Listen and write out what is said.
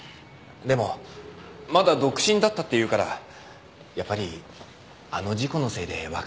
でもまだ独身だったっていうからやっぱりあの事故のせいで別れたんでしょうね。